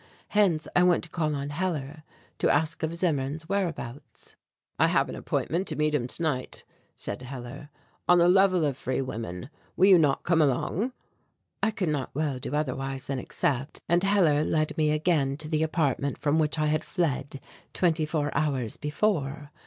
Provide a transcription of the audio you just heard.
Hence I went to call on Hellar, to ask of Zimmern's whereabouts. "I have an appointment to meet him tonight," said Hellar, "on the Level of Free Women. Will you not come along?" I could not well do otherwise than accept, and Hellar led me again to the apartment from which I had fled twenty four hours before.